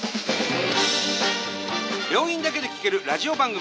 病院だけで聴けるラジオ番組。